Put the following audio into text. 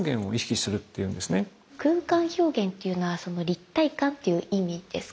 空間表現というのは立体感という意味ですか？